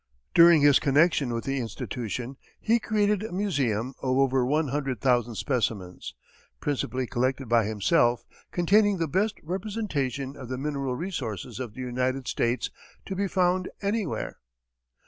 During his connection with the institution, he created a museum of over one hundred thousand specimens, principally collected by himself, containing the best representation of the mineral resources of the United States to be found anywhere.